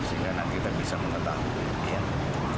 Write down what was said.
sehingga nanti kita bisa mengetahui